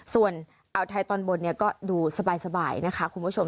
ส่วนอ่าวไทยตอนบนก็ดูสบายนะคะคุณผู้ชม